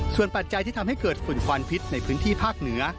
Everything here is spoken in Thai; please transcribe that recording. ส่วนปัจจัยที่ทำให้เกิดฝุ่นควันพิษในพื้นที่ภาคเหนือ